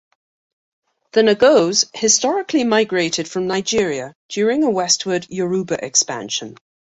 The Nagots historically migrated from Nigeria during a westward Yoruba expansion.